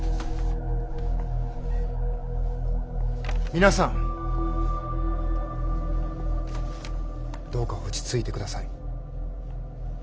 皆さんどうか落ち着いてください。